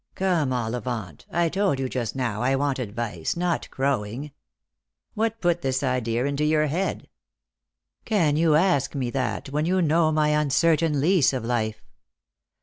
" Come, Ollivant, I told you just now I want advice not crowing." " What put this idea into your head P "" Can you ask me that when you know my uncertain lease of life